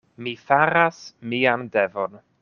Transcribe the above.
Mi faras mian devon.